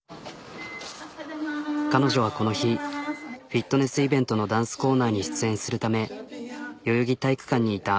彼女はこの日フィットネスイベントのダンスコーナーに出演するため代々木体育館にいた。